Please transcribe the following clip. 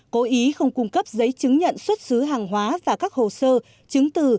cố ý không cung cấp giấy chứng nhận xuất xứ hàng hóa và các hồ sơ chứng từ